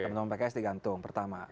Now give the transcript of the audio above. teman teman pks digantung pertama